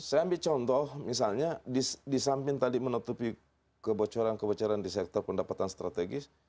saya ambil contoh misalnya di samping tadi menutupi kebocoran kebocoran di sektor pendapatan strategis